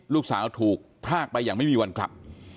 ลูกสาวถูกพรากไปอย่างไม่มีวันกลับ